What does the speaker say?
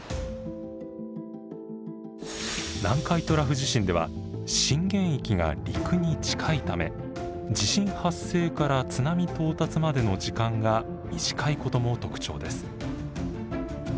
南海トラフ地震では震源域が陸に近いため地震発生から津波到達までの時間が短いことも特徴です。